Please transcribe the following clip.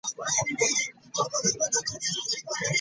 Obulombolombo obulaga obuvo bw'omuntu bwe buno.